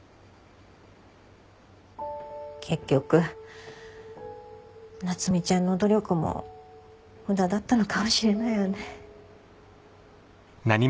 結局夏海ちゃんの努力も無駄だったのかもしれないわね。